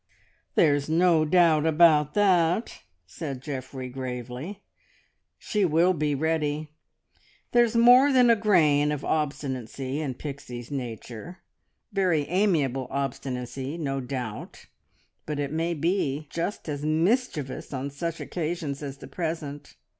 "There's no doubt about that," said Geoffrey gravely. "She will be ready. There's more than a grain of obstinacy in Pixie's nature very amiable obstinacy, no doubt, but it may be just as mischievous on such occasions as the present.